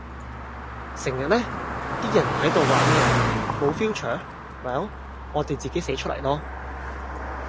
成日呢，啲人喺到話咩呀?無 Future? Well 我哋自己寫出嚟囉！